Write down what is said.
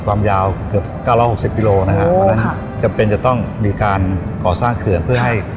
เกือบ๙๖๐กิโลนะครับอ๋อค่ะจำเป็นจะต้องมีการก่อสร้างเขื่อนเพื่อให้